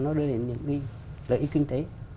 nó đưa đến những lợi ích kinh tế